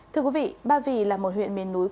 thưa quý vị ba vì là một huyện miền núi